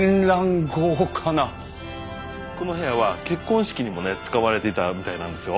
この部屋は結婚式にもね使われていたみたいなんですよ。